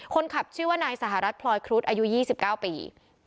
คนขับชื่อว่านายสหรัฐพลอยครุฑอายุ๒๙ปี